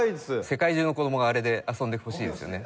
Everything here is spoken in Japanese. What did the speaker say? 世界中の子供があれで遊んでほしいですね。